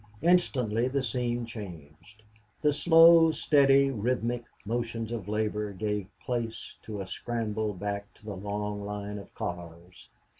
Instantly the scene changed. The slow, steady, rhythmic motions of labor gave place to a scramble back to the long line of cars.